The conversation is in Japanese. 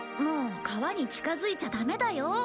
もう川に近づいちゃダメだよ。